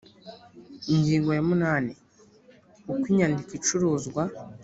ingingo ya munani uko inyandiko icuruzwa